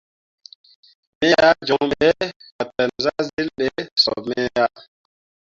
Me ah joŋ ɓe fatan zahzyilli ɓe sop me ah.